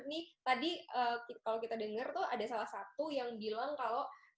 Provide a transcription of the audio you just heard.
nih tadi kalau kita dengar tuh ada salah satu yang bilang kalau